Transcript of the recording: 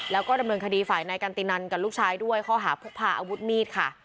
แล้วก็ดำเนินคดีฝ่ายนายกันตินันกับลูกชายด้วยข้อหาพกพาอาวุธมีดค่ะ